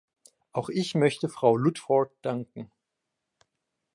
Auch ich möchte Frau Ludford danken.